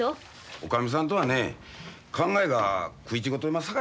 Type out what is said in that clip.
女将さんとはね考えが食い違うとりますさかいな。